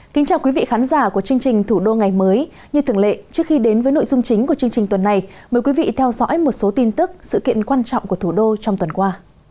xin chào quý vị khán giả của chương trình thủ đô ngày mới như thường lệ trước khi đến với nội dung chính của chương trình tuần này mời quý vị theo dõi một số tin tức sự kiện quan trọng của thủ đô trong tuần qua